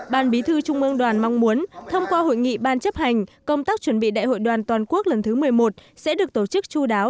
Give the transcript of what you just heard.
ban bí thư trung mương đoàn mong muốn thông qua hội nghị ban chấp hành công tác chuẩn bị đại hội đoàn toàn quốc lần thứ một mươi một sẽ được tổ chức chú đáo